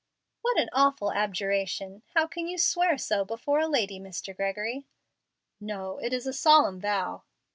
"What an awful abjuration! How can you swear so before a lady, Mr. Gregory?" "No, it is a solemn vow."